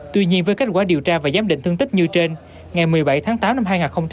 tuy nhiên với kết quả điều tra và giám định thương tích như trên ngày một mươi bảy tháng tám năm hai nghìn hai mươi ba